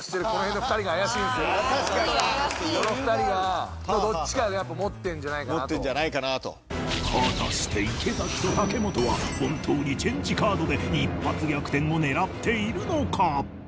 この２人がどっちかがやっぱ持ってんじゃないかなと果たして池崎と武元は本当にＣＨＡＮＧＥカードで一発逆転を狙っているのか？